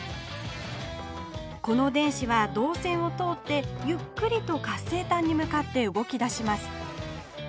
この電子はどうせんを通ってゆっくりと活性炭に向かって動きだします